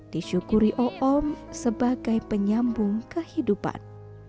disyukuri o'om sebagai penyambung kehidupan